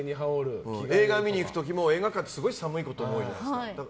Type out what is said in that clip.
映画見に行く時も映画館ってすごい寒いことも多いじゃないですか。